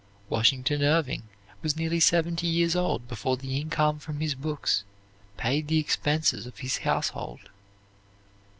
Washington Irving was nearly seventy years old before the income from his books paid the expenses of his household.